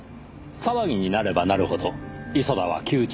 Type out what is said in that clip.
騒ぎになればなるほど磯田は窮地に陥る。